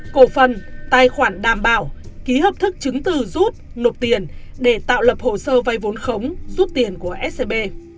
cổ phần tài khoản đảm bảo ký hợp thức chứng từ rút nộp tiền để tạo lập hồ sơ vay vốn khống rút tiền của scb